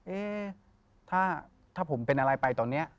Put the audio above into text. เอ๊ะถ้าผมเป็นอะไรไปตอนนี้